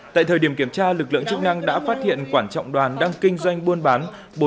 tại thời điểm kiểm tra lực lượng chức năng đã phát hiện quảng trọng đoàn đang kinh doanh buôn bán